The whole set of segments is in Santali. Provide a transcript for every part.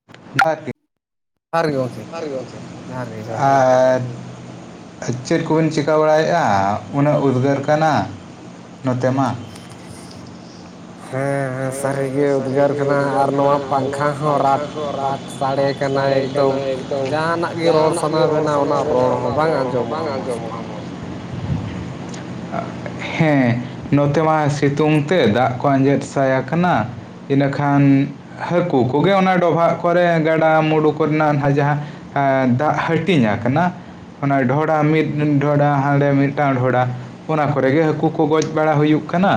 [unintelligible] ᱦᱟᱨ ᱜᱮ ᱜᱚᱝ ᱡᱚᱦᱟᱨ ᱜᱮ ᱜᱚᱝᱠᱮ ᱟᱨᱻ ᱪᱮᱫ ᱠᱚᱵᱤᱱ ᱪᱮᱠᱟ ᱵᱟᱲᱟᱭᱮᱜ-ᱟ ᱩᱱᱟᱹᱜ ᱩᱫᱽᱜᱟᱹᱨ ᱠᱟᱱᱟ ᱱᱚᱛᱮ ᱢᱟ᱾ ᱦᱮᱸ ᱦᱮᱸ ᱥᱟᱹᱨᱤ ᱜᱮ ᱩᱫᱽᱜᱟᱹᱨ ᱠᱟᱱᱟ ᱟᱨ ᱱᱚᱣᱟ ᱯᱟᱝᱠᱷᱟ ᱦᱚᱸ ᱨᱟᱴ ᱯᱟᱴ ᱥᱟᱰᱮ ᱠᱟᱱᱟ ᱮᱠᱫᱚᱢ ᱡᱟᱦᱟᱸ ᱱᱟᱜ ᱜᱮ ᱨᱚᱲ ᱥᱟᱱᱟ ᱵᱤᱱᱟ ᱚᱱᱟ ᱨᱚᱲ ᱦᱚᱸ ᱵᱟᱝ ᱟᱸᱡᱚᱢᱚᱜ-ᱟ ᱢᱚᱡᱽ ᱛᱮ᱾ ᱚᱜ ᱦᱮᱸ ᱱᱚᱛᱮ ᱢᱟ ᱥᱤᱛᱩᱝ ᱛᱮ ᱫᱟᱜ ᱠᱚ ᱟᱸᱡᱮᱫ ᱥᱟᱭ ᱟᱠᱟᱱᱟ᱾ ᱤᱱᱟᱹ ᱠᱷᱟᱱ ᱦᱟᱹᱠᱩ ᱠᱚᱜᱮ ᱚᱱᱟ ᱰᱚᱵᱷᱟᱜ ᱠᱚᱨᱮ ᱜᱟᱰᱟᱼᱢᱩᱰᱩ ᱠᱚᱨᱮ ᱱᱟᱜ ᱚᱱᱟ ᱡᱟᱦᱟᱸ ᱟ ᱫᱟᱜ ᱦᱟᱹᱴᱤᱧ ᱟᱠᱟᱱᱟ᱾ ᱚᱱᱟ ᱰᱷᱚᱰᱟ ᱢᱤᱫ ᱰᱷᱚᱰᱟ ᱦᱟᱸᱰᱮ ᱢᱤᱫᱴᱟᱱ ᱰᱷᱚᱰᱟ᱾ ᱚᱱᱟ ᱠᱚᱨᱮ ᱜᱮ ᱦᱟᱹᱠᱩ ᱠᱚ ᱜᱚᱡ ᱵᱟᱲᱟ ᱦᱩᱭᱩᱜ ᱠᱟᱱᱟ᱾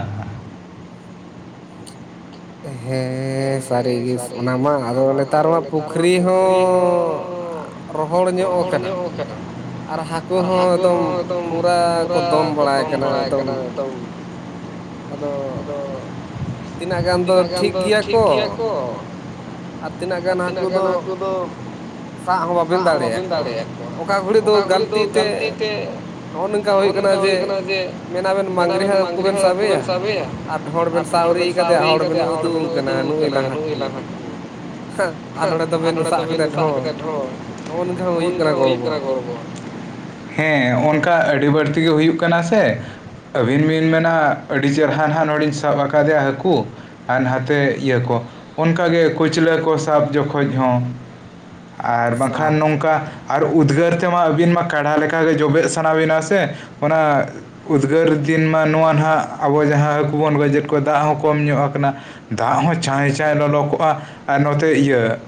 ᱦᱮᱸᱻᱥ᱾ ᱥᱟᱹᱨᱤᱜᱮ ᱚᱱᱟ ᱢᱟ ᱟᱫᱚ ᱱᱮᱛᱟᱨ ᱢᱟ ᱯᱩᱠᱷᱨᱤ ᱦᱚᱸ ᱨᱚᱦᱚᱲ ᱧᱚᱜ ᱟᱠᱟᱱᱟ ᱟᱨ ᱦᱟᱹᱠᱩ ᱦᱚᱸ ᱮᱠᱫᱚᱢ ᱯᱩᱨᱟᱹ ᱠᱚ ᱫᱚᱱ ᱵᱟᱲᱟᱭ ᱠᱟᱱᱟ ᱮᱠᱫᱚᱢ ᱟᱫᱚ ᱛᱤᱱᱟᱹᱜ ᱜᱟᱱ ᱫᱚ ᱴᱷᱤᱠ ᱜᱤᱭᱟ ᱠᱚ᱾ ᱚ ᱟᱨ ᱛᱤᱱᱟᱹᱜ ᱜᱟᱱ ᱦᱟᱹᱠᱩ ᱫᱚ? ᱥᱟᱵ ᱦᱚᱸ ᱵᱟᱵᱮᱱ ᱫᱟᱲᱮᱭᱟᱫ ᱠᱚ ᱚᱠᱟ ᱜᱷᱩᱲᱤᱜ ᱫᱚ ᱜᱟᱞᱛᱤ ᱛᱮ ᱱᱚᱜ-ᱚ ᱱᱤᱝᱠᱟ ᱦᱩᱭ ᱠᱟᱱᱟ ᱡᱮ ᱢᱮᱱᱟ ᱵᱮᱱ ᱢᱟᱝᱜᱽᱨᱤ ᱦᱟᱠᱩ ᱵᱮᱱ ᱥᱟᱵᱮᱭᱟ ᱟᱨ ᱰᱷᱚᱲ ᱵᱮᱱ ᱥᱟᱵ ᱩᱨᱤᱡ ᱠᱟᱫᱮᱭᱟ ᱦᱚᱲ ᱵᱮᱱ ᱩᱫᱩᱜ ᱠᱟᱱᱟ ᱱᱩᱭ ᱞᱟᱦᱟ ᱦᱟᱺ, ᱟᱨ ᱰᱚᱲᱮ ᱛᱟᱵᱤᱱ ᱥᱟᱜ ᱠᱟᱫᱮᱭᱟ ᱰᱷᱚᱲ᱾ ᱦᱳᱞ ᱫᱚ ᱦᱳᱭᱩᱜ ᱠᱟᱱᱟ ᱜᱚᱝᱠᱮ ᱦᱮᱸ, ᱚᱱᱠᱟ ᱟᱹᱰᱤ ᱵᱟᱹᱲᱛᱤ ᱜᱮ ᱦᱩᱭᱩᱜ ᱠᱟᱱᱟ ᱥᱮ ᱟᱹᱵᱤᱱ ᱵᱤᱱ ᱢᱮᱱᱟ ᱟᱹᱰᱤ ᱪᱮᱨᱦᱟ ᱱᱟᱦᱟᱸᱜ ᱱᱚᱸᱰᱮᱤᱧ ᱥᱟᱵ ᱟᱠᱟ ᱫᱮᱭᱟ ᱦᱟᱹᱠᱩ ᱟᱨ ᱱᱟᱛᱮ ᱤᱭᱟᱹ ᱠᱚ ᱚᱱᱠᱟ ᱜᱮ ᱠᱩᱪᱞᱟᱹ ᱠᱚ ᱥᱟᱵ ᱡᱚᱠᱷᱚᱡ ᱦᱚᱸ᱾ ᱟᱨ ᱵᱟᱝ ᱠᱷᱟᱱ ᱱᱚᱝᱠᱟ ᱟᱨ ᱩᱫᱽᱜᱟᱹᱨ ᱛᱮᱢᱟ ᱟᱹᱵᱤᱱ ᱢᱟ ᱠᱟᱰᱟ ᱞᱮᱠᱟᱜᱮ ᱡᱚᱵᱮᱜ ᱥᱟᱱᱟ ᱵᱤᱱᱟ ᱥᱮ ᱚᱱᱟ ᱩᱫᱽᱜᱟᱹᱨ ᱫᱤᱱ ᱢᱟ ᱱᱚᱣᱟ ᱦᱟᱸᱜ ᱟᱵᱚ ᱡᱟᱦᱟᱸ ᱦᱟᱹᱠᱩ ᱵᱚᱱ ᱜᱚᱡᱮᱫ ᱠᱚᱣᱟ ᱫᱟᱜ ᱦᱚᱸ ᱠᱚᱢ ᱧᱚᱜ ᱠᱟᱱᱟ ᱫᱟᱜ ᱦᱚᱸ ᱪᱟᱸᱭ ᱪᱟᱸᱭ ᱞᱚᱞᱚ ᱠᱚᱜᱼᱟ ᱟᱨ ᱱᱚᱛᱮ ᱤᱭᱟᱹ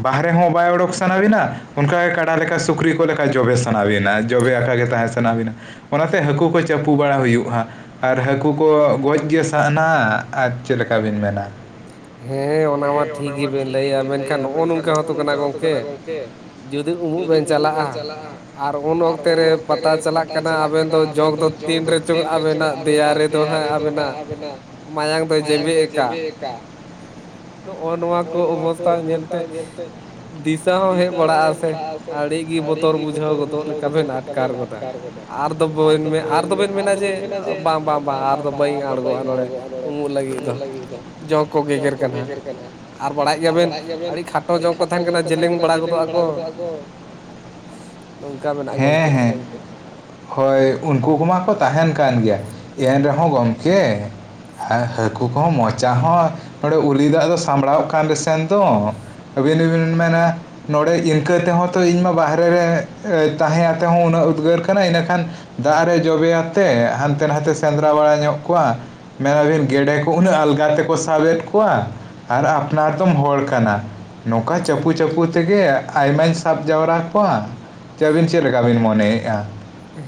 ᱵᱟᱦᱨᱮ ᱦᱚᱸ ᱵᱟᱭ ᱚᱰᱚᱠ ᱥᱟᱱᱟ ᱵᱤᱱᱟ ᱚᱱᱠᱟᱜᱮ ᱠᱟᱰᱟ ᱞᱮᱠᱟ ᱥᱩᱠᱨᱤ ᱠᱚ ᱞᱮᱠᱟ ᱡᱚᱵᱮ ᱥᱟᱱᱟ ᱵᱤᱱᱟ [unintelligible] ᱡᱚᱵᱮ ᱟᱸᱠᱟ ᱜᱮ ᱛᱟᱦᱮᱸ ᱥᱟᱱᱟ ᱵᱤᱱᱟ ᱚᱱᱟᱛᱮ ᱦᱟᱹᱠᱩ ᱠᱚ ᱪᱟᱯᱚ ᱵᱟᱲᱟ ᱦᱩᱭᱩᱜᱼᱟ ᱟᱨ ᱦᱟᱹᱠᱩ ᱠᱚ ᱜᱚᱡ ᱜᱮ ᱥᱟᱦᱱᱟ ᱟᱨ ᱪᱮᱫᱞᱮᱠᱟ ᱵᱤᱱ ᱢᱮᱱᱟ ᱦᱮᱸ ᱚᱱᱟ ᱢᱟ ᱴᱷᱤᱠ ᱜᱮᱵᱮᱱ ᱞᱟᱹᱭᱟ ᱢᱮᱱᱠᱷᱟᱱ ᱱᱚᱜᱼᱚ ᱱᱚᱝᱠᱟ ᱦᱚᱸᱛᱚ ᱠᱟᱱᱟ ᱜᱚᱢᱠᱮ ᱡᱩᱫᱤ ᱩᱢᱩᱜ ᱵᱮᱱ ᱪᱟᱞᱟᱜᱼᱟ ᱟᱨ ᱩᱱ ᱚᱠᱛᱮ ᱨᱮ ᱯᱟᱛᱟ ᱪᱟᱞᱟᱜ ᱠᱟᱱᱟ ᱟᱵᱮᱱ ᱫᱚ ᱡᱚᱜ ᱫᱚ ᱛᱤᱱ ᱨᱮᱪᱚᱝ ᱟᱵᱮᱱᱟᱜ ᱫᱮᱭᱟ ᱨᱮᱫᱚ ᱦᱟᱸᱜ ᱟᱵᱮᱱᱟᱜ ᱢᱟᱭᱟᱝ ᱫᱚᱭ ᱡᱮᱵᱮᱫ ᱟᱠᱟ [inaudible] ᱱᱚᱣᱟ ᱱᱚᱣᱟ [unintelligible] ᱫᱤᱥᱟᱹ ᱦᱚᱸᱦᱮᱡ ᱵᱟᱲᱟᱜᱼᱟ ᱥᱮ ᱟᱹᱰᱤᱜᱮ ᱵᱚᱛᱚᱨ ᱵᱩᱡᱷᱟᱹᱣ ᱜᱚᱫᱚ ᱞᱮᱠᱟᱵᱮ ᱟᱴᱠᱟᱨ ᱜᱚᱫᱟ ᱟᱨ [inaudible] ᱫᱚᱭ ᱢᱮ ᱟᱨ ᱢᱮᱱᱟ ᱡᱮ ᱵᱟᱝ ᱵᱟᱝ ᱟᱨ ᱫᱚ ᱵᱟᱧ ᱟᱲᱜᱚ-ᱟ [unintelligible] ᱡᱚᱠ ᱡᱚᱠ ᱠᱚ ᱜᱮᱜᱮᱨ ᱠᱟᱱᱟ ᱟᱨ ᱵᱟᱲᱟᱭᱮᱫ ᱜᱮᱭᱟ ᱵᱮᱱ ᱟᱹᱰᱤ ᱠᱷᱟᱴᱚ ᱡᱚᱝ ᱠᱚ ᱛᱟᱦᱮᱱ ᱠᱟᱱᱟ ᱡᱮᱞᱮᱧ ᱵᱟᱲᱟ ᱜᱚᱫᱚᱜ ᱟᱠᱚ ᱱᱚᱝᱠᱟ ᱢᱮᱱᱟᱜᱼᱟ ᱜᱚᱝᱠᱮ ᱦᱳᱭ ᱩᱱᱠᱩ ᱠᱚᱢᱟᱠᱚ ᱛᱟᱦᱮᱱ ᱠᱟᱱ ᱜᱮᱭᱟ ᱮᱱ ᱨᱮᱦᱚᱸ ᱜᱚᱢᱠᱮ ᱦᱮᱸ ᱦᱟᱹᱠᱩ ᱠᱚᱸᱦᱚᱸ ᱢᱚᱪᱟ ᱦᱚᱸ ᱱᱚᱰᱮ ᱩᱞᱤ ᱫᱟᱜ ᱫᱚ ᱥᱟᱢᱵᱲᱟᱣ ᱠᱟᱱ ᱨᱮᱥᱮᱱ ᱫᱚ ᱟᱵᱮᱱ ᱵᱮᱱ ᱢᱮᱱᱟ ᱱᱚᱸᱰᱮ ᱤᱱᱠᱟᱹ ᱛᱮᱦᱚᱸ ᱛᱚ ᱤᱧᱢᱟ ᱵᱟᱦᱨᱮ ᱨᱮ ᱛᱟᱦᱮᱸ ᱟᱛᱮᱫ ᱦᱚᱸ ᱩᱱᱟᱹᱜ ᱩᱫᱽᱜᱟᱹᱨ ᱠᱟᱱᱟ ᱤᱱᱟᱹᱠᱷᱟᱱ ᱫᱟᱜ ᱨᱮ ᱡᱚᱵᱮ ᱟᱛᱮ ᱦᱟᱱᱛᱮ ᱱᱟᱛᱮ ᱥᱮᱸᱫᱽᱨᱟ ᱵᱟᱲᱟ ᱧᱚᱜ ᱠᱚᱣᱟ ᱢᱮᱱᱟ ᱵᱤᱱ ᱜᱮᱰᱮ ᱠᱚ ᱩᱱᱟᱹᱜ ᱟᱞᱜᱟ ᱜᱟᱛᱤ ᱠᱚ ᱥᱟᱵᱮᱫ ᱠᱚᱣᱟ ᱟᱨ ᱟᱯᱱᱟᱨ ᱫᱚᱢ ᱦᱚᱲ ᱠᱟᱱᱟ ᱱᱚᱝᱠᱟ ᱪᱟᱯᱳ ᱪᱟᱯᱳ ᱛᱮᱜᱮ ᱟᱭᱢᱟᱧ ᱥᱟᱵ ᱡᱟᱣᱨᱟ ᱠᱚᱣᱟ ᱡᱮ ᱟᱹᱵᱤᱱ ᱪᱮᱫ ᱞᱮᱠᱟ ᱵᱤᱱ ᱢᱚᱱᱮᱭᱮᱫᱼᱟ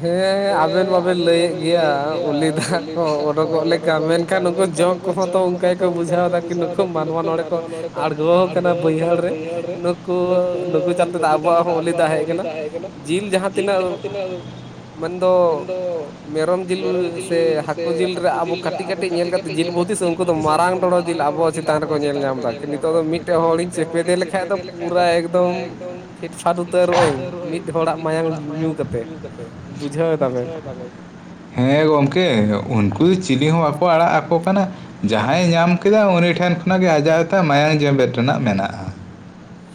ᱦᱮᱸ ᱟᱵᱮᱱ ᱵᱟᱵᱮᱱ ᱞᱟᱹᱭᱮᱫ ᱜᱮᱭᱟ ᱩᱞᱤ ᱫᱟᱜ ᱠᱚ ᱚᱰᱠᱚᱜ ᱞᱮᱠᱟ ᱢᱮᱱ ᱠᱷᱟᱱ ᱩᱱᱠᱚ ᱡᱚᱠ ᱠᱚᱦᱚ ᱛᱚ ᱱᱚᱝᱠᱟ ᱜᱮᱠᱚ ᱵᱩᱡᱷᱟᱹᱣ ᱫᱟᱠᱚ ᱠᱤ ᱱᱩᱠᱩ ᱢᱟᱱᱣᱟ ᱱᱚᱰᱮ ᱠᱚ ᱟᱬᱜᱚ ᱠᱟᱱᱟ ᱵᱟᱹᱭᱦᱟᱹᱲ ᱨᱮ [unintelligible] [unintelligible] ᱛᱮᱫᱚ ᱟᱵᱚᱣᱟᱜ ᱦᱚᱸ ᱚᱞᱤᱫᱟ ᱦᱮᱡ ᱠᱟᱱᱟ ᱡᱤᱞ ᱡᱟᱦᱟᱸ ᱛᱤᱱᱟᱹᱜᱼᱼ ᱢᱮᱱᱫᱚ ᱢᱮᱨᱚᱢ ᱡᱤᱞ ᱥᱮ ᱦᱟᱹᱠᱩ ᱡᱤᱞ ᱨᱮ ᱟᱵᱚ ᱠᱟᱹᱴᱤᱡ ᱠᱟᱹᱴᱤᱡ ᱧᱮᱞ ᱠᱟᱛᱮ ᱡᱤᱞ ᱵᱩᱛᱤᱥ ᱩᱱᱠᱩ ᱫᱚ ᱢᱟᱨᱟᱝ ᱰᱚᱲᱚ ᱡᱤᱞ ᱟᱵᱚ ᱪᱮᱛᱟᱱ ᱨᱮᱠᱚ ᱧᱮᱞ ᱧᱟᱢ ᱮᱫᱟ ᱠᱚ ᱱᱤᱛᱚᱜ ᱫᱚ ᱢᱤᱫᱴᱮᱡ ᱦᱚᱲᱤᱧ ᱪᱮᱯᱮᱫᱮ ᱞᱮᱠᱷᱟᱱᱡ ᱫᱚ ᱟᱪᱷᱟ ᱯᱩᱨᱟᱹ ᱮᱠᱫᱚᱢ ᱤᱪᱪᱷᱟᱹ [inaudible] ᱨᱚᱦᱚᱭ ᱢᱤᱫ ᱦᱚᱲᱟᱜ ᱢᱟᱭᱟᱝ ᱧᱩ ᱠᱟᱛᱮᱫ [unintelligible] ᱦᱮᱸ ᱜᱚᱢᱠᱮ ᱩᱱᱠᱩ ᱫᱚ ᱪᱤᱞᱤ ᱦᱚᱸ ᱵᱟᱠᱚ ᱟᱲᱟᱜ ᱟᱠᱚ ᱠᱟᱱᱟ ᱡᱟᱦᱟᱸᱭ ᱧᱟᱢ [unintelligible] ᱠᱮᱫᱟ ᱩᱱᱤ ᱴᱷᱮᱱ ᱠᱷᱚᱱᱟᱜ ᱜᱮ ᱟᱡᱟᱣᱛᱟ ᱢᱟᱭᱟᱝ ᱡᱮᱢᱵᱮᱴ ᱨᱮᱱᱟᱜ ᱢᱮᱱᱟᱜᱼᱟ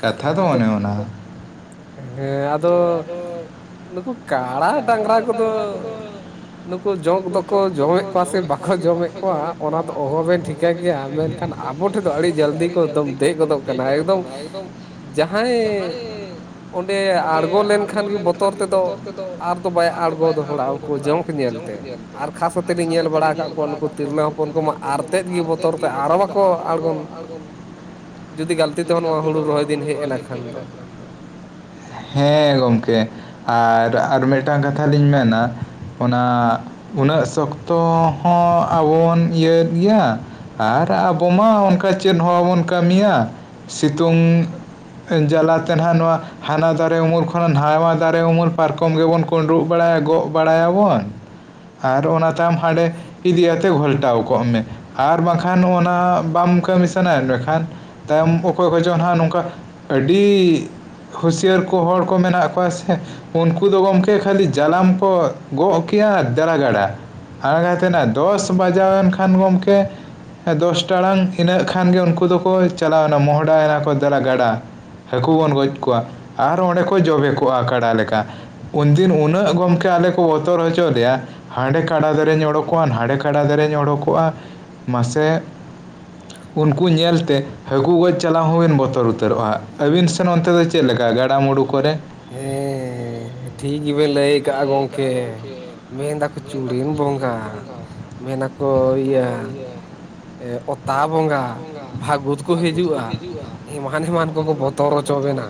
ᱠᱟᱛᱷᱟ ᱫᱚ ᱚᱱᱮ ᱚᱱᱟ ᱦᱮᱸ ᱟᱫᱚ ᱱᱩᱠᱩ ᱠᱟᱲᱟ ᱰᱟᱝᱨᱟ ᱠᱚᱫᱚ ᱱᱩᱠᱩ ᱡᱚᱜ ᱫᱚᱠᱚ ᱡᱚᱢᱮᱜ ᱠᱚᱣᱟ ᱥᱮ ᱵᱟᱠᱚ ᱡᱚᱢᱮᱜ ᱠᱚᱣᱟ ᱚᱱᱟ ᱫᱚ ᱚᱦᱚᱵᱮᱱ ᱴᱷᱤᱠᱟᱹ ᱜᱮᱭᱟ, ᱢᱮᱱᱠᱷᱟᱱ ᱟᱵᱚ ᱴᱷᱮᱱ ᱫᱚ ᱟᱹᱰᱤ ᱡᱚᱞᱫᱤ ᱠᱚ ᱮᱠᱫᱚᱢ ᱫᱮᱡ ᱜᱚᱫᱚᱜ ᱠᱟᱱᱟ ᱮᱠᱫᱚᱢ ᱡᱟᱦᱟᱸᱭ ᱚᱸᱰᱮ ᱟᱬᱜᱚ ᱞᱮᱱ ᱮᱠᱷᱟᱱ ᱜᱮ ᱵᱚᱛᱚᱨ ᱛᱮᱫᱚ ᱟᱨ ᱫᱚ ᱵᱟᱭ ᱟᱬᱜᱚ ᱫᱚᱦᱚᱲᱟ ᱩᱱᱠᱩ ᱡᱚᱠ ᱧᱮᱞ ᱛᱮ ᱟᱨ ᱠᱷᱟᱥ ᱛᱮᱫ ᱞᱤᱧ ᱧᱮᱞ ᱵᱟᱲᱟ ᱠᱮᱫ ᱠᱚᱣᱟ ᱱᱩᱠᱩ ᱛᱤᱨᱞᱟᱹ ᱦᱚᱯᱚᱱ ᱠᱚᱢᱟ ᱟᱨᱛᱮᱫ ᱜᱮ ᱵᱚᱛᱚᱨ ᱛᱮ ᱟᱨᱚ ᱵᱟᱠᱚ ᱟᱬᱜᱚᱱ [inaudible] ᱡᱩᱫᱤ ᱜᱟᱹᱞᱛᱤ ᱛᱮᱦᱚᱸ ᱱᱚᱣᱟ ᱦᱩᱲᱩ ᱨᱚᱦᱚᱭ ᱫᱤᱱ ᱦᱮᱡ ᱮᱱᱟ ᱠᱷᱟᱱ ᱫᱚ ᱦᱮᱸ ᱜᱚᱝᱠᱮ ᱟᱨ ᱟᱨ ᱢᱤᱫ ᱴᱟᱝ ᱠᱟᱛᱷᱟ ᱞᱤᱧ ᱢᱮᱱᱟ ᱚᱱᱟ ᱩᱱᱟᱹᱜ ᱥᱚᱠᱛᱚ ᱦᱚᱸ ᱟᱵᱚ ᱵᱚᱱ ᱤᱭᱟᱹᱭᱮᱫ ᱜᱮᱭᱟ ᱟᱨ ᱟᱵᱚ ᱢᱟ ᱚᱱᱠᱟ ᱪᱮᱫ ᱦᱚᱸ ᱵᱟᱵᱚᱱ ᱠᱟᱹᱢᱤᱭᱟ ᱥᱤᱛᱩᱝ ᱮᱸ ᱡᱟᱞᱟ ᱛᱮ ᱱᱟᱦᱟᱜ ᱱᱚᱣᱟ ᱦᱟᱱᱟ ᱫᱟᱨᱮ ᱩᱢᱩᱞ ᱠᱚ ᱦᱟᱣᱟ ᱫᱟᱨᱮ ᱩᱢᱩᱞ ᱯᱟᱨᱠᱚᱢ ᱜᱮᱵᱚᱱ ᱠᱩᱸᱰᱨᱩᱜ ᱵᱟᱲᱟᱭᱟ ᱜᱚᱜ ᱵᱟᱲᱟᱭᱟᱵᱚᱱ ᱟᱨ ᱚᱱᱟ ᱛᱟᱭᱚᱢ ᱦᱟᱸᱰᱮ ᱤᱫᱤ ᱟᱛᱮ ᱜᱷᱚᱞᱴᱟᱣ ᱠᱚᱜ ᱢᱮ ᱟᱨ ᱵᱟᱝᱠᱷᱟᱱ ᱚᱱᱟ ᱵᱟᱢ ᱠᱟᱹᱢᱤ ᱥᱟᱱᱟᱭᱮᱫ ᱢᱮᱱᱠᱷᱟᱱ ᱛᱟᱭᱚᱢ ᱚᱠᱚᱭ ᱠᱚ ᱪᱚᱝ ᱦᱟᱜ ᱱᱚᱝᱠᱟ ᱟᱹᱰᱤ ᱦᱩᱥᱤᱭᱟᱹᱨ ᱠᱚ ᱦᱚᱲ ᱠᱚ ᱢᱮᱱᱟᱜ ᱠᱚᱣᱟ ᱥᱮ ᱩᱱᱠᱩ ᱫᱚ ᱜᱚᱢᱠᱮ ᱠᱷᱟᱹᱞᱤ ᱡᱟᱞᱟᱢ ᱠᱚ ᱜᱚᱜ ᱠᱮᱭᱟ ᱫᱮᱞᱟ ᱜᱟᱰᱟ ᱟ ᱜᱟᱛᱮᱱᱟᱜ ᱫᱚᱥ ᱵᱟᱡᱟᱣᱮᱱ ᱠᱷᱟᱱ ᱜᱚᱢᱠᱮ ᱫᱚᱥ ᱴᱟᱲᱟᱝ ᱤᱱᱟᱹᱜ ᱠᱷᱟᱱ ᱜᱮ ᱩᱱᱠᱩ ᱫᱚᱠᱚ ᱪᱟᱞᱟᱣᱱᱟ ᱢᱚᱦᱰᱟᱭᱱᱟ ᱠᱚ, ᱫᱮᱞᱟ ᱜᱟᱰᱟ᱾ ᱦᱟᱹᱠᱩ ᱵᱚᱱ ᱜᱚᱡ ᱠᱚᱣᱟ ᱟᱨ ᱚᱸᱰᱮ ᱠᱚ ᱡᱚᱵᱮ ᱠᱚᱜᱼᱟ ᱠᱟᱰᱟ ᱞᱮᱠᱟ᱾ ᱩᱱ ᱫᱤᱱ ᱩᱱᱟᱹᱜ ᱜᱚᱢᱠᱮ ᱟᱞᱮ ᱠᱚ ᱵᱚᱛᱚᱨ ᱦᱚᱪᱚ ᱞᱮᱭᱟ᱾ ᱦᱟᱸᱰᱮ ᱠᱟᱰᱟ ᱫᱷᱟᱨᱮᱧ ᱚᱰᱳᱠᱚᱜᱼᱟ, ᱱᱟᱦᱟᱸᱰᱮ ᱠᱟᱰᱟ ᱫᱷᱟᱨᱮᱧ ᱩᱰᱳᱠᱚᱜᱼᱟ, ᱢᱟᱥᱮ [inaudible] ᱩᱱᱠᱩ ᱧᱮᱞ ᱛᱮ ᱦᱟᱹᱠᱩ ᱜᱚᱡ ᱪᱟᱞᱟᱣ ᱦᱚᱸ ᱵᱤᱱ ᱵᱚᱛᱚᱨ ᱩᱛᱟᱹᱨᱚᱜᱼᱟ ᱦᱟᱸᱜ, ᱟᱹᱵᱤᱱ ᱥᱮᱱ ᱚᱱᱛᱮ ᱫᱚ ᱪᱮᱫ ᱞᱮᱠᱟ ᱜᱟᱰᱟ ᱢᱩᱰᱩ? ᱠᱚᱨᱮ ᱦᱮᱸ ᱦᱮᱸ ᱴᱷᱤᱠ ᱜᱮᱵᱮᱱ ᱞᱟᱹᱭ ᱠᱟᱜᱼᱟ ᱜᱚᱝᱠᱮ, ᱢᱮᱱ ᱫᱟᱠᱚ ᱪᱩᱲᱤᱱ ᱵᱚᱸᱜᱟ᱾ ᱢᱮᱱ ᱟᱠᱚ ᱤᱭᱟ ᱮᱜ ᱚᱛᱟ ᱵᱚᱸᱜᱟ ᱵᱷᱟᱹᱜ ᱵᱷᱩᱛ ᱠᱩ ᱦᱤᱡᱩᱜᱼᱟ᱾ ᱮᱢᱟᱱ ᱮᱢᱟᱱ ᱠᱚᱠᱚ ᱵᱚᱛᱚᱨ ᱦᱚᱪᱚ ᱵᱮᱱᱟ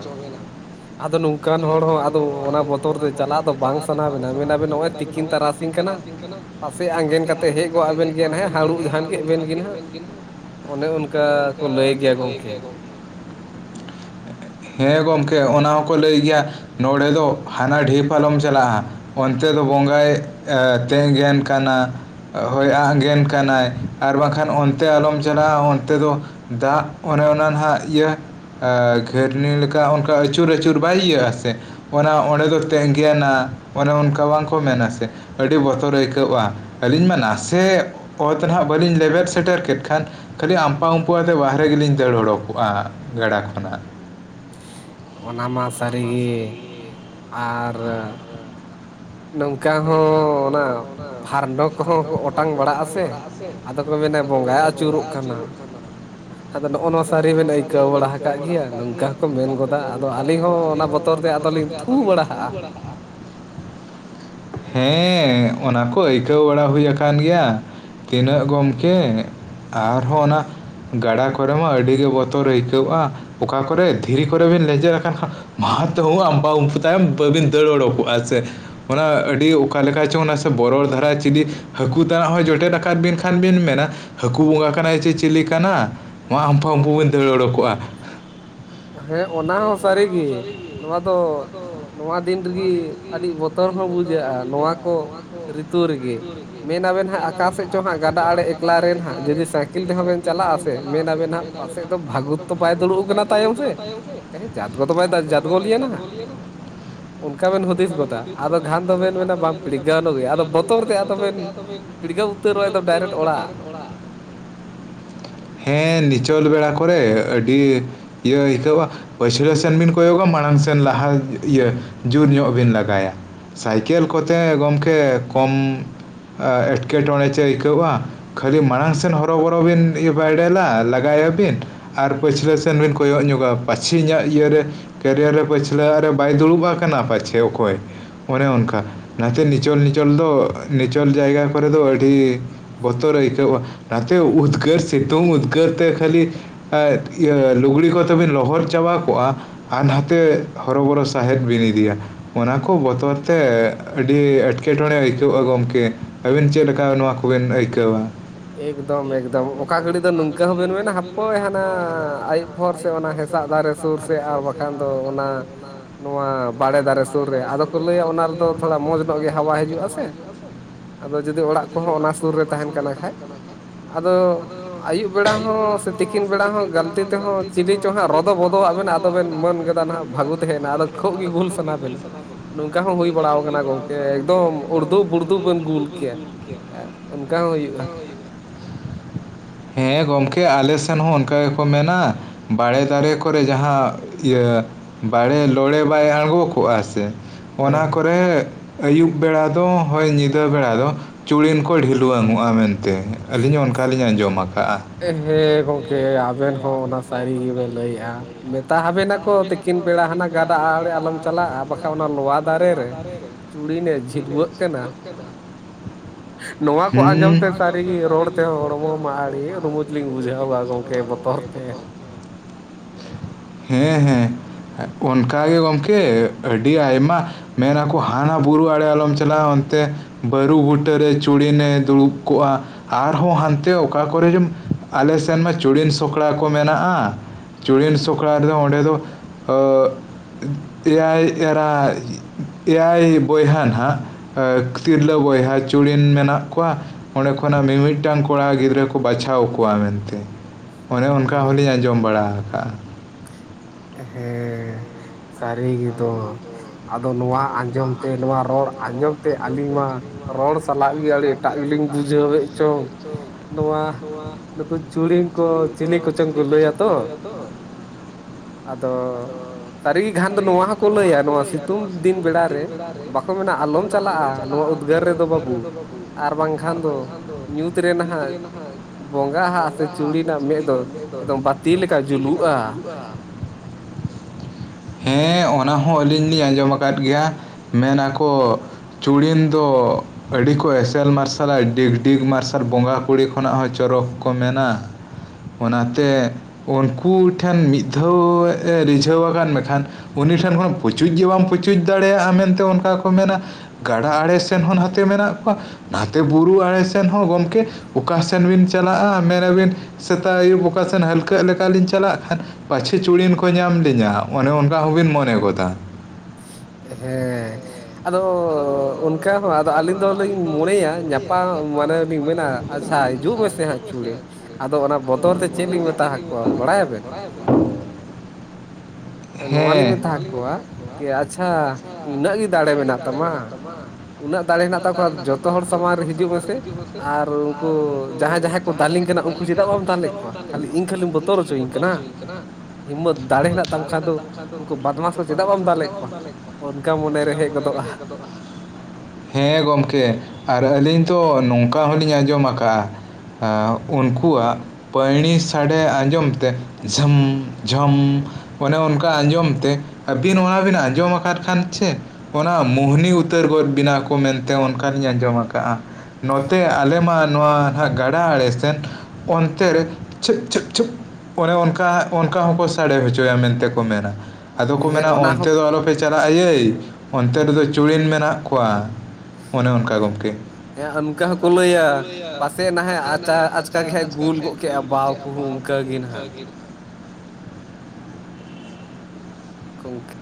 ᱟᱫᱚ ᱱᱚᱝᱠᱟᱱ ᱦᱚᱲ ᱦᱚᱸ ᱟᱫᱚ ᱚᱱᱟ ᱵᱚ ᱛᱚᱨᱛᱮ ᱪᱟᱞᱟᱜ ᱫᱚ ᱵᱟᱝ ᱥᱟᱱᱟ ᱵᱮᱱᱟ ᱢᱮ ᱟᱵᱮᱱ ᱱᱚᱜᱚᱭ ᱛᱤᱠᱤᱱ ᱛᱟᱨᱟᱥᱤᱧ ᱠᱟᱱᱟ, ᱟᱥᱮᱡ ᱟᱸᱜᱮᱱ ᱠᱟᱛ ᱛᱮ ᱦᱮᱡ ᱜᱚᱜ ᱟᱵᱮᱱ ᱜᱮ ᱱᱟᱦᱟᱜ ᱦᱟᱲᱩ ᱡᱟᱦᱟᱱ ᱜᱮ ᱵᱮᱱ ᱜᱮ ᱱᱟᱦᱟᱸᱜ ᱚᱱᱮ ᱚᱱᱠᱟ ᱠᱚ ᱞᱟᱹᱭ ᱜᱮᱭᱟ ᱜᱚᱝᱠᱮ᱾ ᱦᱮᱸ ᱜᱚᱝᱠᱮ ᱚᱱᱟ ᱦᱚᱸᱠᱚ ᱞᱟᱹᱭ ᱜᱮᱭᱟ ᱱᱚᱸᱰᱮ ᱫᱚ ᱦᱟᱱᱟ ᱰᱷᱤᱯ ᱟᱞᱚᱢ ᱪᱟᱞᱟᱜᱼᱟ᱾ ᱚᱱᱛᱮ ᱫᱚ ᱵᱚᱸᱜᱟᱭ ᱮ ᱛᱮᱜᱮᱸᱱ ᱠᱟᱱᱟ᱾ ᱦᱳᱭ ᱟᱸᱼᱜᱮᱱ ᱠᱟᱱᱟᱭ ᱟᱨ ᱵᱟᱝᱠᱷᱟᱱ ᱚᱱᱛᱮ ᱟᱞᱚᱢ ᱪᱟᱞᱟᱜᱼᱟ᱾ ᱚᱱᱛᱮ ᱫᱚ ᱫᱟᱜ ᱚᱱᱮ ᱚᱱᱟ ᱱᱟᱦᱟᱜ ᱤᱭᱟᱹ ᱮᱸ ᱜᱷᱟᱹᱨᱱᱤ ᱞᱮᱠᱟ ᱚᱱᱠᱟ ᱟᱹᱪᱩᱨ ᱟᱹᱪᱩᱨ ᱵᱟᱭ ᱤᱭᱟᱹᱜᱼᱟ ᱥᱮ ᱚᱱᱟ ᱚᱸᱰᱮ ᱫᱚ ᱛᱮᱸᱜᱮᱸᱱᱟ ᱚᱱᱮ ᱚᱱᱠᱟ ᱵᱟᱝ ᱠᱚ ᱢᱮᱱᱟ ᱥᱮ᱾ ᱟᱹᱰᱤ ᱵᱚᱛᱚᱨ ᱟᱹᱭᱠᱟᱹᱣᱚᱜᱼᱟ ᱟᱹᱞᱤᱧ ᱢᱟ ᱱᱟᱥᱮ ᱚᱛ ᱱᱟᱦᱟᱸᱜ ᱵᱟᱹᱞᱤᱧ ᱞᱮᱵᱮᱫ ᱥᱮᱴᱮᱨ ᱠᱮᱫ ᱠᱷᱟᱱ ᱠᱷᱟᱹᱞᱤ ᱟᱢᱯᱟᱼᱩᱢᱯᱟᱹ ᱟᱛᱮ ᱵᱟᱦᱮᱨᱮ ᱜᱮᱞᱤᱧ ᱫᱟᱹᱲ ᱚᱰᱳᱜ ᱠᱚᱼᱟ ᱜᱟᱰᱟ ᱠᱷᱚᱱᱟᱜ᱾ ᱚᱱᱟ ᱢᱟ ᱥᱟᱹᱨᱤ ᱜᱮ ᱟᱨ ᱱᱚᱝᱠᱟ ᱦᱚᱸ ᱚᱱᱟ ᱵᱷᱟᱨᱰᱚ ᱠᱚᱦᱚᱸ ᱠᱚ ᱚᱴᱟᱝ ᱵᱟᱲᱟᱜᱼᱟ ᱥᱮ᱾ ᱟᱫᱚ ᱠᱚ ᱢᱮᱱᱟ ᱵᱚᱸᱜᱟᱭ ᱟᱹᱪᱩᱨᱚᱜ ᱠᱟᱱᱟ᱾ ᱟᱫᱚ ᱱᱚᱜᱼᱚ ᱱᱚᱣᱟ ᱥᱟᱹᱨᱤ ᱵᱮᱱ ᱟᱹᱭᱠᱟᱹᱣ ᱵᱟᱲᱟ ᱦᱟᱠᱟᱜ ᱜᱮᱭᱟ ᱱᱚᱝᱠᱟ ᱦᱚᱸᱠᱚ ᱢᱮᱱ ᱜᱚᱫᱟ ᱟᱫᱚ ᱟᱹᱞᱤᱧ ᱦᱚᱸ ᱚᱱᱟ ᱵᱚᱛᱚᱨ ᱛᱮ ᱟᱫᱚ ᱞᱤᱧ ᱟᱫᱚ ᱞᱤᱧ ᱛᱷᱩ ᱵᱟᱲᱟ ᱠᱟᱜᱼᱟ᱾ ᱦᱮᱸ, ᱚᱱᱟ ᱠᱚ ᱟᱹᱭᱠᱟᱹᱣ ᱵᱟᱲᱟ ᱦᱩᱭ ᱟᱠᱟᱱ ᱜᱮᱭᱟ ᱛᱤᱱᱟᱹᱜ ᱜᱚᱢᱠᱮ ᱟᱨᱦᱚᱸ ᱚᱱᱟ ᱜᱟᱰᱟ ᱠᱚᱨᱮᱢᱟ ᱟᱹᱰᱤ ᱜᱮ ᱵᱚᱛᱚᱨ ᱟᱹᱭᱠᱟᱹᱣᱚᱜᱼᱟ᱾ ᱚᱠᱟ ᱠᱚᱨᱮ, ᱫᱷᱤᱨᱤ ᱠᱚᱨᱮ ᱵᱮᱱ ᱞᱮᱸᱡᱮᱫ ᱦᱟᱜ ᱠᱷᱟᱱ ᱢᱟ ᱛᱚᱦᱚᱸ ᱟᱢᱵᱟ ᱩᱱᱠᱩ ᱛᱟᱭᱚᱢ ᱵᱟᱹᱵᱤᱱ ᱫᱟᱹᱲ ᱚᱰᱚᱠᱚᱜᱼᱟ, ᱪᱮ ᱚᱱᱟᱻ ᱟᱹᱰᱤ ᱚᱠᱟ ᱞᱮᱠᱟ ᱪᱚ ᱚᱱᱟ ᱥᱮ ᱵᱚᱨᱚᱨ ᱫᱷᱟᱨᱟ ᱪᱤᱞᱤ ᱦᱟᱹᱠᱩ ᱛᱟᱱᱟᱜ ᱦᱚᱸᱭ ᱡᱚᱴᱮᱫ ᱟᱠᱟᱫ ᱵᱤᱱ ᱠᱷᱟᱱ ᱵᱤᱱ ᱢᱮᱱᱟ ᱦᱟᱹᱠᱩ ᱵᱚᱸᱜᱟ ᱠᱟᱱᱟᱭ ᱪᱮ ᱪᱤᱞᱤ ᱠᱟᱱᱟ ᱢᱟ ᱟᱢᱯᱷᱟᱼᱩᱢᱯᱷᱟᱹ ᱵᱮᱱ ᱫᱟᱹᱲ ᱳᱲᱳᱠᱚᱜᱼᱟ᱾ ᱦᱮᱸ, ᱚᱱᱟ ᱦᱚᱸ ᱥᱟᱹᱨᱤ ᱜᱤ᱾ ᱱᱚᱣᱟ ᱫᱚ ᱱᱚᱣᱟ ᱫᱤᱱ ᱨᱮᱜᱮ ᱟᱹᱰᱤ ᱵᱚᱛᱚᱨ ᱦᱚᱸ ᱵᱩᱡᱷᱟᱹᱜᱼᱟ ᱱᱚᱣᱟ ᱠᱚ ᱨᱤᱛᱩ ᱨᱮᱜᱮ ᱢᱮ ᱟᱵᱤᱱ ᱦᱟᱸᱜ ᱟᱠᱟ ᱥᱮᱫ ᱪᱚᱝ ᱦᱟᱸᱜ ᱜᱟᱰᱟ ᱟᱲᱮ ᱮᱠᱞᱟ ᱨᱮ ᱦᱟᱸᱜ ᱡᱩᱫᱤ ᱥᱟᱭᱠᱮᱞ ᱛᱮᱦᱚᱸ ᱵᱤᱱ ᱪᱟᱞᱟᱜ ᱟᱥᱮ ᱢᱮᱱ ᱟᱵᱤᱱ ᱦᱟᱸᱜ ᱯᱟᱥᱮᱫ ᱫᱚ ᱵᱷᱟᱹᱜᱚᱛ ᱛᱚ ᱵᱟᱭ ᱫᱩᱲᱩᱵ ᱟᱠᱟᱱᱟ ᱛᱟᱭᱚᱢ ᱥᱮᱫ ᱠᱟᱹᱦᱤ ᱡᱟᱫ ᱜᱚ ᱫᱚ ᱵᱟᱭ ᱡᱟᱫ ᱜᱚ ᱞᱤᱭᱟ ᱱᱟᱜ ᱚᱱᱠᱟ ᱵᱤᱱ ᱦᱩᱫᱤᱥ ᱜᱚᱫᱟ ᱟᱫᱚ ᱜᱟᱱ ᱫᱚᱵᱤᱱ ᱢᱮᱱᱟ ᱵᱟᱝ ᱯᱤᱲ ᱜᱟᱱᱚᱜ ᱜᱮᱭᱟ ᱟᱫᱚ ᱵᱚᱛᱚᱨ ᱛᱮ ᱟᱫᱚᱵᱤᱱ ᱯᱤᱲᱜᱟᱹᱣ ᱩᱛᱟᱹᱨᱚᱜ ᱫᱚ ᱰᱟᱭᱨᱮᱠᱴ ᱚᱲᱟᱜ ᱦᱮᱸ ᱱᱤᱪᱚᱞ ᱵᱮᱲᱟ ᱠᱚᱨᱮ ᱟᱹᱰᱤ ᱤᱭᱟᱹ ᱟᱹᱭᱠᱟᱹᱜᱼᱟ ᱯᱟᱹᱪᱥᱷᱞᱟᱹ ᱥᱮᱱ ᱵᱤᱱ ᱠᱚᱭᱚᱜᱼᱟ, ᱢᱟᱲᱟᱝ ᱥᱮᱱ ᱞᱟᱦᱟ ᱤᱭᱟᱹ ᱡᱳᱨ ᱧᱚᱜ ᱵᱤᱱ ᱞᱟᱜᱟᱭᱟ, ᱥᱟᱭᱠᱮᱞ ᱠᱚᱛᱮᱻ ᱜᱚᱢᱠᱮ ᱠᱚᱢ ᱮᱸᱴᱠᱮᱴᱚᱬᱮ ᱪᱮ ᱟᱹᱭᱠᱟᱹᱜᱣᱼᱟ ᱠᱷᱟᱹᱞᱤ ᱢᱟᱲᱟᱝ ᱥᱱ ᱦᱚᱨᱚᱚᱵᱚᱨᱚ ᱵᱤᱱ ᱤᱭᱟᱹᱻ ᱯᱟᱭᱰᱮᱞᱟ ᱞᱟᱜᱟᱭᱟᱵᱤᱱ ᱟᱨ ᱯᱟᱹᱪᱷᱞᱟᱹ ᱥᱮᱱ ᱵᱤᱱ ᱠᱚᱭᱚᱜ ᱧᱚᱜᱟ ᱯᱟᱟᱹᱪᱷᱮ ᱤᱧᱟᱹᱜ ᱤᱭᱟᱹᱨᱮ ᱠᱮᱨᱤᱭᱟᱨ ᱨᱮ ᱯᱟᱹᱪᱷᱞᱟᱹ ᱨᱮ ᱵᱟᱭ ᱫᱩᱲᱩᱵ ᱟᱠᱟᱱᱟ ᱯᱟᱪᱷᱮᱫ, ᱚᱠᱚᱭ ᱚᱱᱮ ᱚᱱᱠᱟ ᱚᱱᱟᱛᱮ ᱱᱤᱪᱚᱞ, ᱱᱤᱪᱚᱞ ᱫᱚ ᱱᱤᱪᱚᱞ ᱡᱟᱭᱜᱟ ᱠᱚᱨᱮᱫᱚ ᱫᱚ ᱟᱹᱰᱤᱻ ᱵᱚᱛᱚᱨ ᱟᱹᱭᱠᱟᱹᱼᱟ, ᱱᱟᱛᱮ ᱩᱫᱽᱜᱟᱹᱨ ᱥᱤᱛᱩᱝ ᱩᱫᱽᱜᱟᱹᱨ ᱛᱮ ᱠᱷᱟᱹᱞᱤ ᱮᱫ ᱤᱭᱟ. ᱞᱩᱜᱽᱲᱤ ᱠᱚ ᱛᱟᱹᱵᱤᱱ ᱞᱚᱦᱚᱫ ᱪᱟᱵᱟ ᱠᱚᱜᱼᱟ ᱟᱱᱦᱛᱮ ᱦᱚᱨᱚᱵᱚᱨᱚ ᱥᱟᱦᱮᱫ ᱵᱤᱱ ᱤᱫᱤᱭᱟ ᱚᱱᱟ ᱠᱚ ᱵᱚᱛᱚᱨ ᱛᱮ ᱟᱹᱰᱤ ᱮᱴᱠᱮᱴᱚᱬᱮ ᱟᱹᱭᱠᱟᱹᱣᱼᱟ ᱜᱚᱢᱠᱮ, ᱟᱹᱵᱤᱱ ᱪᱮᱫ ᱞᱮᱠᱟ ᱱᱚᱣᱟ ᱠᱚ ᱵᱮᱱ ᱟᱹᱭᱠᱟᱹᱣᱟ ᱮᱠᱫᱚᱢ ᱮᱠᱫᱚᱢ, ᱚᱠᱟ ᱜᱷᱟᱹᱲᱤᱡ ᱫᱚ ᱱᱚᱝᱠᱟ ᱦᱚᱸᱵᱮᱱ ᱢᱮᱱᱟ ᱦᱟᱯᱳᱻ ᱦᱟᱱᱟ ᱟᱹᱭᱩᱵ ᱯᱷᱚᱨ ᱥᱮ ᱚᱱᱟ ᱦᱮᱸᱥᱟᱜ ᱫᱟᱨᱮ ᱥᱩᱨ ᱥᱮ ᱟᱨ ᱵᱟᱠᱷᱟᱱ ᱫᱚ, ᱚᱱᱟ ᱱᱚᱣᱟ ᱵᱟᱲᱮ ᱫᱟᱨᱮ ᱥᱩᱨ ᱨᱮ ᱟᱫᱚ ᱠᱚ ᱞᱟᱹᱭᱟ ᱚᱱᱟ ᱨᱮᱫᱚ ᱛᱷᱚᱲᱟ ᱢᱚᱸᱡᱽ ᱧᱚᱜ ᱜᱮ ᱦᱟᱣᱟ ᱦᱤᱡᱩᱜᱼᱟ ᱥᱮ ᱟᱫᱚ ᱡᱩᱫᱤ ᱚᱲᱟᱜ ᱠᱚᱦᱚᱸ ᱚᱱᱟ ᱥᱩᱨ ᱨᱮ ᱛᱟᱦᱮᱱ ᱠᱟᱱᱟ ᱠᱷᱟᱡ ᱟᱫᱚ ᱟᱹᱭᱩᱵ ᱵᱮᱲᱟ ᱦᱚᱸ ᱥᱮ ᱛᱤᱠᱤᱱ ᱵᱮᱲᱟ ᱦᱚᱸ ᱜᱟᱹᱞᱛᱤ ᱛᱮᱦᱚᱸ ᱪᱤᱞᱤ ᱦᱟᱸᱜ ᱨᱚᱫᱫᱚ ᱵᱚᱫᱚ ᱟ ᱟᱫᱚ ᱵᱮᱱ ᱢᱟᱹᱱ ᱠᱮᱫᱟ ᱱᱟᱦᱟᱜ ᱵᱷᱟᱹᱜᱩ ᱛᱟᱦᱮᱸᱱᱟ, ᱟᱫᱚ ᱠᱷᱚᱜ ᱜᱮ ᱜᱩᱞ ᱥᱟᱱᱟ ᱱᱚᱝᱠᱟ ᱦᱚᱸ ᱦᱩᱭ ᱵᱟᱲᱟ ᱠᱟᱱᱟ ᱜᱚᱢᱠᱮ, ᱮᱠᱫᱚᱢ ᱩᱨᱫᱩ ᱵᱩᱨᱫᱩ ᱵᱮᱱ ᱜᱩᱞ ᱠᱮ ᱚᱱᱠᱟ ᱦᱚᱸ ᱦᱩᱭᱩᱜᱼᱟ ᱦᱮᱸ ᱜᱚᱢᱠᱮ ᱟᱞᱮ ᱥᱮᱱ ᱦᱚᱸ ᱚᱱᱠᱟ ᱜᱮᱠᱚ ᱢᱮᱱᱟ ᱵᱟᱲᱮ ᱫᱟᱨᱮ ᱠᱚᱨᱮ ᱡᱟᱦᱟᱸ ᱤᱭᱟᱹᱻ ᱵᱟᱲᱮ ᱞᱚᱲᱮ ᱵᱟᱭ ᱟᱬᱜᱚ ᱠᱚ ᱠᱚᱜᱼᱟ ᱥᱮ ᱚᱱᱟ ᱠᱚᱨᱮ ᱟᱹᱭᱩᱵ ᱵᱮᱲᱟ ᱫᱚ, ᱦᱳᱭ ᱧᱤᱫᱟᱹ ᱵᱮᱲᱟ ᱫᱚ ᱪᱩᱲᱟᱹᱱ ᱠᱚ ᱰᱷᱤᱞᱟᱹᱣᱝᱚᱜᱼᱟ ᱢᱮᱱᱛᱮ, ᱟᱹᱞᱤᱧ ᱦᱚᱸ ᱚᱱᱠᱟᱞᱤᱧ ᱟᱸᱡᱚᱢ ᱟᱠᱟᱫᱼᱟ ᱦᱮᱸ ᱜᱚᱢᱠᱮ ᱟᱵᱮᱱ ᱦᱚᱸ ᱚᱱᱟ ᱥᱟᱹᱨᱤ ᱜᱮᱵᱮᱱ ᱞᱟᱹᱭᱮᱜᱼᱟ᱾ ᱢᱮᱛᱟ ᱦᱟᱵᱮᱱᱟᱠᱚ ᱛᱤᱠᱤᱱ ᱵᱮᱲᱟ ᱦᱟᱱᱟ ᱜᱟᱰᱟ ᱟ ᱟᱲᱮ ᱟᱞᱚᱢ ᱪᱟᱞᱟᱜᱼᱟ, ᱵᱟᱠᱟᱱ ᱚᱱᱟ ᱞᱚᱣᱟ ᱫᱟᱨᱮ ᱨᱮ ᱪᱩᱲᱤᱱᱮ ᱡᱷᱤᱴᱣᱟᱹᱜ ᱠᱟᱱᱟ ᱱᱚᱣᱟ ᱠᱚ ᱟᱸᱡᱚᱢ ᱛᱮ ᱥᱟᱹᱨᱤᱮ ᱨᱚᱲ ᱛᱮᱦᱚᱸ ᱦᱚᱲᱢᱚ ᱢᱟ ᱟᱹᱲᱤ ᱢᱚᱡᱽ ᱞᱤᱧ ᱵᱩᱡᱷᱟᱹᱣᱟ ᱵᱟ ᱜᱚᱝᱠᱮ ᱵᱚᱛᱚᱨ ᱛᱮ ᱦᱮᱸ ᱦᱮᱸ ᱚᱱᱠᱟ ᱜᱮ ᱜᱚᱢᱠᱮ ᱟᱹᱰᱤ ᱟᱭᱢᱟ ᱢᱮᱱᱟᱠᱚ ᱦᱟᱱᱟ ᱵᱩᱨᱩ ᱟᱲᱮ ᱟᱞᱚᱢ ᱪᱟᱞᱟᱜᱼᱟ, ᱚᱱᱛᱮ ᱵᱟᱹᱨᱩ ᱵᱩᱴᱟᱹᱨᱮ ᱪᱩᱲᱤᱱᱮ ᱫᱩᱲᱩᱵ ᱠᱚᱜᱼᱟ᱾ ᱟᱨᱦᱚᱸ ᱦᱟᱱᱛᱮ ᱚᱠᱟ ᱠᱚᱨᱮ ᱡᱮ, ᱟᱞᱮ ᱥᱮᱱ ᱢᱟ ᱪᱩᱲᱤᱱ ᱥᱚᱠᱲᱟ ᱠᱚ ᱢᱮᱱᱟᱜᱼᱟ᱾ ᱪᱩᱲᱤᱱ ᱥᱚᱠᱲᱟ ᱨᱮᱫᱚ ᱚᱸᱰᱮ ᱫᱚ ᱟᱹᱻ ᱮᱭᱟᱭ ᱮᱨᱟ ᱮᱭᱟᱭ ᱵᱚᱭᱦᱟ ᱱᱟᱸᱜ ᱮ ᱛᱤᱨᱞᱟᱹ ᱵᱚᱭᱦᱟ ᱪᱩᱲᱤᱱ ᱢᱮᱱᱟᱜ ᱠᱚᱣᱟ ᱚᱸᱰᱮ ᱠᱷᱚᱱᱟᱜ ᱢᱤᱢᱤᱫᱴᱟᱱ ᱠᱚᱲᱟ ᱜᱤᱫᱽᱨᱟᱹ ᱠᱚ ᱵᱟᱪᱷᱟᱣ ᱠᱚᱣᱟ ᱢᱮᱱᱛᱮᱻ ᱚᱱᱮ ᱚᱱᱠᱟ ᱦᱚᱸᱞᱤᱧ ᱟᱸᱡᱚᱢ ᱵᱟᱲᱟ ᱟᱠᱟᱫᱼᱟ᱾ ᱦᱮᱸ ᱥᱟᱹᱨᱤ ᱜᱮᱫᱚ ᱟᱫᱚ ᱱᱚᱣᱟ ᱟᱸᱡᱚᱢ ᱛᱮ ᱱᱚᱣᱟ ᱨᱚᱲ ᱟᱸᱡᱚᱢ ᱛᱮ ᱟᱹᱞᱤᱧ ᱢᱟ ᱨᱚᱲ ᱥᱟᱞᱟᱜ ᱜᱮ, ᱟᱹᱰᱤ ᱮᱴᱟᱜ ᱜᱮᱞᱤᱧ ᱵᱩᱡᱷᱟᱹᱣᱮᱫ ᱪᱚᱝ ᱱᱚᱣᱟ ᱱᱩᱠᱩ ᱪᱩᱲᱤᱢ ᱠᱚ ᱪᱤᱞᱤ ᱠᱚᱪᱚᱝ ᱠᱚ ᱞᱟᱹᱭᱟ ᱛᱚ ᱟᱫᱚ ᱥᱟᱹᱨᱤᱜᱮ ᱜᱟᱱ ᱫᱚ ᱱᱚᱣᱟ ᱦᱚᱸᱠᱚ ᱞᱟᱹᱭᱟ ᱱᱚᱣᱟ ᱥᱤᱛᱩᱝ ᱫᱤᱱ ᱵᱮᱲᱟ ᱨᱮ ᱵᱟ ᱠᱚ ᱢᱮᱱᱟ ᱟᱞᱚᱢ ᱪᱟᱞᱟᱜᱼᱟ, ᱱᱚᱣᱟ ᱩᱫᱽᱜᱟᱹᱨ ᱨᱮᱫᱚ ᱵᱟᱹᱵᱩ ᱟᱨ ᱵᱟᱝᱠᱷᱟᱱ ᱫᱚ ᱧᱩᱛ ᱨᱮ ᱱᱟᱦ ᱵᱚᱸᱜᱟ ᱦᱟᱜ ᱥᱮ ᱪᱩᱲᱤᱱ ᱦᱟᱜ ᱢᱮᱫ ᱫᱚ ᱮᱠᱫᱚᱢ ᱵᱟᱹᱛᱤ ᱞᱮᱠᱟ ᱡᱩᱞᱩᱜᱼᱟ᱾ [inaudible] ᱦᱮᱸ ᱚᱱᱟ ᱦᱚᱸ ᱟᱹᱞᱤᱧ ᱞᱤᱧ ᱟᱸᱡᱚᱢ ᱟᱠᱟᱫ ᱜᱮᱭᱟ ᱢᱮᱱᱟ ᱠᱚ ᱪᱩᱲᱤᱱ ᱫᱚ ᱟᱹᱰᱤ ᱠᱚ ᱮᱥᱮᱞ ᱢᱟᱨᱥᱟᱞᱟ ᱰᱤᱜᱽᱼᱰᱤᱜᱽ ᱢᱟᱨᱥᱟᱞ ᱵᱚᱸᱜᱟ ᱠᱩᱲᱤ ᱠᱷᱚᱱᱟᱜ ᱦᱚᱸ ᱪᱚᱨᱚᱠ ᱠᱚ ᱢᱮᱱᱟ᱾ ᱚᱱᱟᱛᱮ ᱩᱱᱠᱩ ᱴᱷᱮᱱ ᱢᱤᱫ ᱫᱷᱟᱹᱣ ᱨᱤᱡᱷᱟᱹᱣ ᱟᱠᱟᱫ ᱢᱮᱠᱷᱟᱱ ᱩᱱᱤ ᱴᱷᱮᱱ ᱠᱷᱚᱱ ᱯᱚᱪᱩᱡ ᱜᱮ ᱵᱟᱢ ᱯᱚᱪᱩᱡ ᱫᱟᱲᱮᱭᱟᱜᱼᱟ ᱢᱮᱱᱛᱮ ᱚᱱᱠᱟ ᱠᱚ ᱢᱮᱱᱟ᱾ ᱜᱟᱰᱟ ᱟᱲᱮ ᱥᱮᱱ ᱦᱚᱸ ᱱᱟᱛᱮ ᱢᱮᱱᱟᱜ ᱠᱚᱣᱟ᱾ ᱱᱟᱛᱮ ᱵᱩᱨᱩ ᱟᱲᱮ ᱥᱮᱱ ᱦᱚᱸ ᱜᱚᱢᱠᱮ ᱚᱠᱟ ᱥᱮᱱ ᱵᱤᱱ ᱪᱟᱞᱟᱜᱼᱟ᱾ ᱢᱮᱱ ᱟᱵᱤᱱ ᱥᱮᱛᱟᱜ ᱟᱹᱭᱩᱵ ᱚᱠᱟ ᱥᱮᱱ ᱦᱟᱹᱞᱠᱟᱹᱜ ᱞᱮᱠᱟᱞᱤᱧ ᱪᱟᱞᱟᱜ ᱠᱷᱟᱱ ᱯᱟᱪᱷᱮᱱ ᱪᱩᱲᱤᱱ ᱠᱚ ᱧᱟᱢ ᱞᱤᱧᱟ ᱚᱱᱮ ᱚᱱᱠᱟ ᱦᱚᱵᱤᱱ ᱢᱚᱱᱮ ᱜᱚᱫᱟ ᱦᱮᱸ ᱟᱫᱚ ᱚᱱᱠᱟ ᱦᱚᱸ ᱟᱫᱚ ᱟᱹᱞᱤᱧ ᱫᱚᱞᱤᱧ ᱢᱚᱱᱮᱭᱟ ᱧᱟᱯ ᱜᱟᱯᱟ ᱢᱟᱱᱮ ᱞᱤᱧ ᱢᱮᱱᱟ ᱟᱪ ᱪᱷᱟ ᱦᱤᱡᱩᱜ ᱢᱮᱥᱮ ᱦᱟᱸᱜ ᱪᱩᱲᱤᱱ ᱟᱫᱚ ᱚᱱᱟ ᱵᱚᱛᱚᱨ ᱛᱮ ᱪᱮᱫ ᱞᱤᱧ ᱢᱮᱛᱟ ᱦᱟᱠᱚᱣᱟ ᱵᱟᱰᱟᱭᱟᱵᱤᱱ ᱱᱚᱣᱟ ᱞᱤᱧ ᱢᱮᱛᱟ ᱦᱟᱠᱚᱣᱟ ᱟᱪ ᱪᱷᱟ ᱤᱱᱟᱹᱜ ᱜᱮ ᱫᱟᱲᱮ ᱢᱮᱱᱟᱜ ᱛᱟᱢᱟ ᱩᱱᱟᱹᱜ ᱫᱟᱲᱮ ᱦᱮᱱᱟᱜ ᱛᱟᱢ ᱠᱷᱟᱱ ᱡᱚᱛᱚ ᱦᱚᱲ ᱥᱟᱢᱟᱝ ᱨᱮ ᱦᱤᱡᱩᱜ ᱢᱮᱥᱮ ᱟᱨ ᱩᱱᱠᱩ ᱡᱟᱦᱟᱸᱭ ᱡᱟᱦᱟᱸᱭ ᱠᱚ ᱫᱟᱞᱤᱝ ᱠᱟᱱᱟ ᱩᱱᱠᱩ ᱪᱮᱫᱟᱜ ᱵᱟᱢ ᱫᱟᱞᱮᱫ ᱠᱚᱣᱟ ᱠᱷᱟᱹᱞᱤ ᱤᱧ ᱠᱷᱟᱹᱞᱤᱢ ᱵᱚᱛᱚᱨ ᱦᱚᱪᱚᱭᱤᱧ ᱠᱟᱱᱟ ᱦᱤᱢ ᱢᱚᱛ ᱫᱟᱲᱮ ᱦᱮᱱᱟᱜ ᱫᱟᱲᱮ ᱦᱮᱱᱟᱜ ᱛᱟᱢ ᱠᱷᱟᱱ ᱫᱚ ᱩᱱᱠᱩ ᱵᱚᱫᱢᱟᱥ ᱦᱚᱲ ᱪᱮᱫᱟᱜ ᱵᱟᱢ ᱫᱟᱞᱮᱫ ᱠᱚᱣᱟ ᱚᱱᱠᱟ ᱢᱚᱱᱮᱨᱮ ᱦᱮᱡ ᱜᱚᱫᱚᱜᱼᱟ, ᱦᱮᱸ ᱜᱚᱢᱠᱮ ᱟᱨ ᱟᱹᱞᱤᱧ ᱛᱚ ᱱᱚᱝᱠᱟ ᱦᱚᱞᱤᱧ ᱟᱸᱡᱚᱢ ᱟᱠᱟᱫᱼᱟ ᱩᱱᱠᱩᱣᱟᱜ ᱯᱟᱹᱭᱬᱤ ᱥᱟᱰᱮ ᱟᱸᱡᱚᱢ ᱛᱮ ᱡᱷᱚᱢ ᱡᱷᱚᱢ ᱚᱱᱮ ᱚᱱᱠᱟ ᱟᱸᱡᱚᱢ ᱛᱮ ᱟᱹᱵᱤᱱ ᱚᱱᱟ ᱵᱤᱱ ᱟᱸᱡᱚᱢ ᱟᱠᱟᱫ ᱠᱷᱟᱱ ᱪᱮ ᱚᱱᱟ ᱢᱩᱦᱱᱤ ᱩᱛᱟᱹᱨ ᱜᱚᱫ ᱵᱤᱱᱟ ᱠᱚ ᱢᱮᱱᱛᱮ ᱚᱱᱠᱟ ᱞᱤᱧ ᱟᱸᱡᱚᱢ ᱟᱠᱟᱜᱼᱟ ᱱᱚ ᱛᱮ ᱟᱞᱮ ᱢᱟ ᱱᱚᱣᱟ ᱦᱟᱸᱜ ᱜᱟᱰᱟ ᱟᱲᱮ ᱥᱮᱱ ᱚᱱᱛᱮ ᱨᱮ ᱪᱮᱫ ᱪᱮᱫ ᱪᱮᱫ ᱚᱱᱮ ᱚᱱᱠᱟ ᱚᱱᱠᱟ ᱦᱚᱸᱠᱚ ᱥᱟᱰᱮ ᱦᱚᱪᱚᱭᱟ ᱢᱮᱱᱛᱮ ᱠᱚ ᱢᱮᱱᱟ ᱟᱫᱚ ᱠᱚ ᱢᱮᱱᱟ ᱚᱱᱛᱮ ᱫᱚ ᱟᱞᱚᱯᱮ ᱪᱟᱞᱟᱜ-ᱟᱭᱟᱹᱭ, ᱚᱱᱛᱮ ᱨᱮᱫᱚ ᱪᱩᱲᱤᱱ ᱢᱮᱱᱟᱜ ᱠᱚᱣᱟ ᱚᱱᱮ ᱚᱱᱠᱟ ᱜᱚᱢᱠᱮ ᱦᱮᱸ ᱚᱱᱠᱟ ᱦᱚᱸᱠᱚ ᱞᱟᱹᱭᱟ ᱯᱟᱥᱮᱡ ᱱᱟᱦᱟᱜ ᱟᱪᱟ ᱟᱪᱠᱟ ᱜᱮ ᱦᱟᱸᱜ ᱜᱩᱞ ᱜᱚᱫ ᱠᱮᱜᱼᱟ ᱵᱟᱣ ᱠᱩᱦᱩᱢ ᱠᱟ ᱜᱤᱱ ᱦᱟᱸᱜ ᱜᱚᱝᱠᱮ